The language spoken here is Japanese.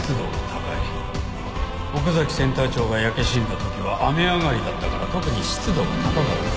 奥崎センター長が焼け死んだ時は雨上がりだったから特に湿度が高かったはずだ。